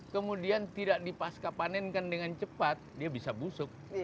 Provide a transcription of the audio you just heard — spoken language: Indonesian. kemudian tidak dipasca panenkan dengan cepat dia bisa busuk